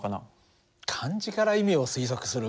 漢字から意味を推測する。